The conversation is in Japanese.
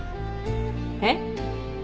えっ？